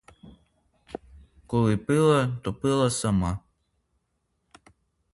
Коли пила, то пила сама.